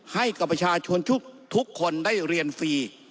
ให้กับประชาชนทุกคนได้เรียนฟรี